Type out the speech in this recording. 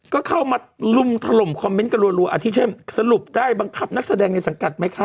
ก็เข้ามาลุมถล่มคอมเมนต์กันรัวอาทิเช่นสรุปได้บังคับนักแสดงในสังกัดไหมคะ